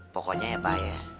pokoknya ya pak ya